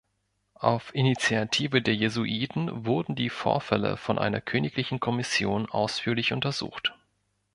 Auf Initiative der Jesuiten wurden die Vorfälle von einer königlichen Kommission ausführlich untersucht.